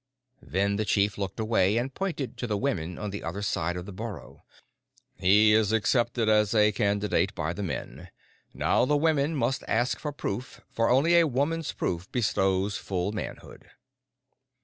Then the chief looked away and pointed to the women on the other side of the burrow. "He is accepted as a candidate by the men. Now the women must ask for proof, for only a woman's proof bestows full manhood."